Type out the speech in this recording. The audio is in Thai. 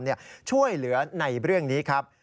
ช่วยเหลือในเรื่องนี้ครับ